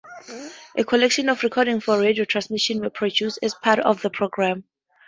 A collection of recordings for radio transmission were produced as part of the programme.